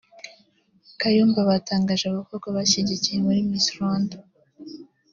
Kayumba batangaje abakobwa bashyigikiye muri Miss Rwanda